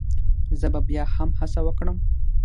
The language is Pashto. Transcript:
زه به بيا هم هڅه وکړم